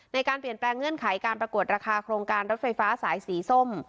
ในการเปลี่ยนแปลงเงื่อนไขการประกวดราคาโครงการรถไฟฟ้าสายสีส้ม